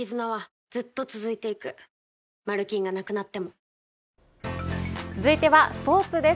ＪＴ続いてはスポーツです。